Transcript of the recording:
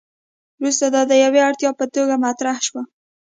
وروسته دا د یوې اړتیا په توګه مطرح شو.